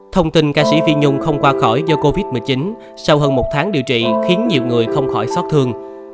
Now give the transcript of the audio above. thông tin ca sĩ phi nhung không qua khỏi do covid một mươi chín sau hơn một tháng điều trị khiến nhiều người không khỏi xót thương